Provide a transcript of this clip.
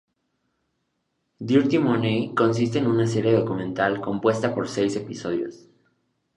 Dirty money, consiste en una serie-documental compuesta por seis episodios.